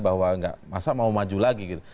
bahwa masa mau maju lagi gitu